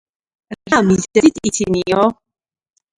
- რა მიზეზით იცინიო?